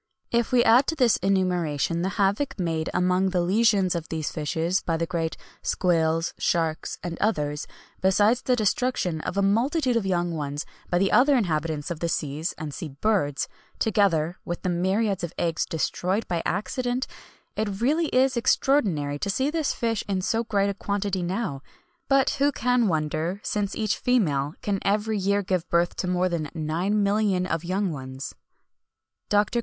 If we add to this enumeration the havoc made among the legions of these fishes by the great squales, sharks, and others, besides the destruction of a multitude of young ones by the other inhabitants of the seas and sea birds, together with the myriads of eggs destroyed by accident, it really is extraordinary to see this fish in so great a quantity now; but who can wonder, since each female can every year give birth to more than 9,000,000 of young ones." DR.